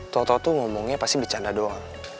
toto tuh ngomongnya pasti bercanda doang